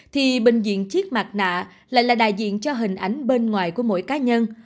thì bình diện chiếc mặt nạ lại là đại diện cho hình ảnh bên ngoài của mỗi cá nhân